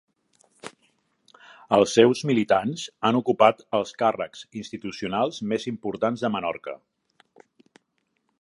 Els seus militants han ocupat els càrrecs institucionals més importants de Menorca.